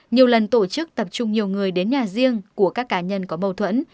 nhiều lần tổ chức tập trung nhiều người đến nhà riêng của các cá nhân có mâu thuẫn